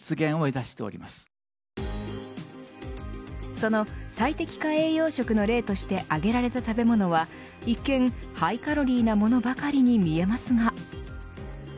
その最適化栄養食の例として挙げられた食べ物は一見、ハイカロリーなものばかりに見えますが。